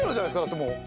だってもう。